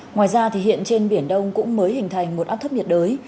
ngoài ra hiện trên biển đông cũng mới hình thành một áp thấp nhiệt đới